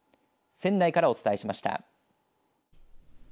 仙台からお伝えしました。